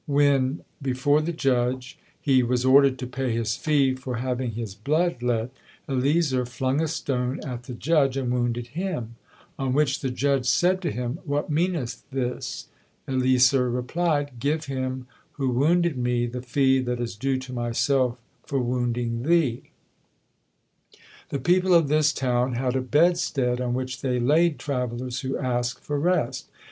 When, before the judge, he was ordered to pay his fee for having his blood let, Eleasar flung a stone at the judge, and wounded him; on which the judge said to him "What meaneth this?" Eleasar replied "Give him who wounded me the fee that is due to myself for wounding thee." The people of this town had a bedstead on which they laid travellers who asked for rest.